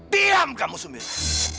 diam kamu sumira